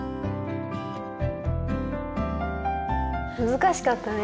難しかったね。